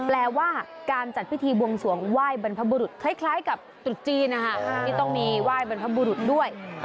แปลว่าการจัดพิธีบวงสวงไหว้บรรพบุรุษคล้ายกับตรุษจีนที่ต้องมีไหว้บรรพบุรุษด้วย